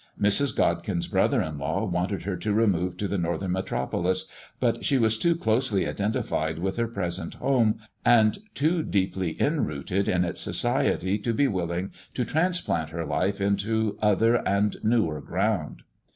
Mrs. Godkin's brother in law wanted her to remove to the northern metropolis, but she was too closely identified with her present home and too deeply inrooted in its society to be willing to transplant her life into other and newer ground.